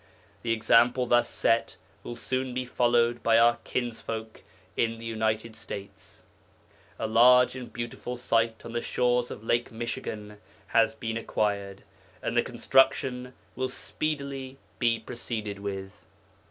The example thus set will soon be followed by our kinsfolk in the United States. A large and beautiful site on the shores of Lake Michigan has been acquired, and the construction will speedily be proceeded with.